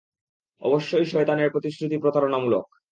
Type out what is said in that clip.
অবশ্যই শয়তানের প্রতিশ্রুতি প্রতারণামূলক।